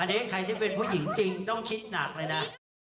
อันนี้ใครที่เป็นผู้หญิงจริงต้องคิดหนักเลยนะ